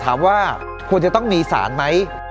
ถามว่าควรจะต้องมีสารไหม